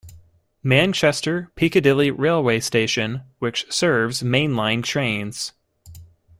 Manchester Piccadilly railway station, which serves mainline trains.